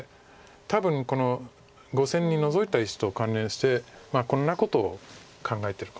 多分この５線にノゾいた石と関連してこんなことを考えてるかもしれません。